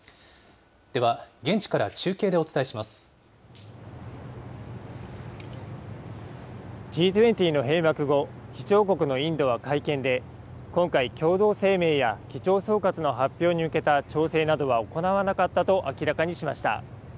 では、現地から中継でお伝えしまＧ２０の閉幕後、議長国のインドは会見で、今回、共同声明や議長総括の発表に向けた調整などは行わなかったと明らかにしました。